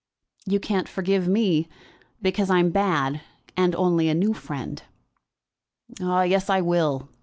"You can't forgive me, because I'm bad, and only a new friend." "Yes, I will.